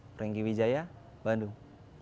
pranggi wijaya bandung